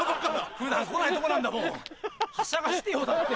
普段来ないとこなんだもんはしゃがしてよだって。